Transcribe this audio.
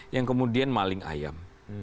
yang kemudian maling ayam